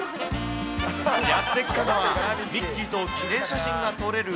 やって来たのは、ミッキーと記念写真が撮れる